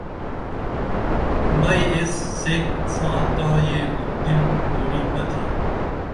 مئی ایس سیک ساں تاں یہ گوندِل پوری مہ تھی